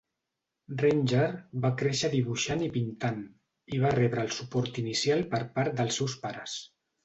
Ranger va créixer dibuixant i pintant, i va rebre el suport inicial per part dels seus pares.